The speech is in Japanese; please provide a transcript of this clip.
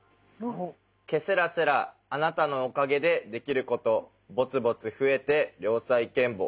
「けせらせらあなたのおかげでできることぼつぼつふえて良才賢歩」。